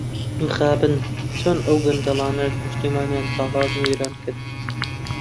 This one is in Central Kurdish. مخابن چۆن ئەو گەندەڵانە نیشتمانیان تاڵان و وێران کرد.